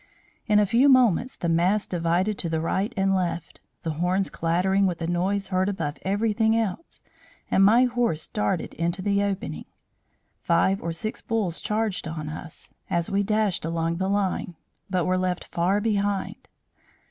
"In a few moments the mass divided to the right and left, the horns clattering with a noise heard above everything else, and my horse darted into the opening. Five or six bulls charged on us as we dashed along the line, but were left far behind.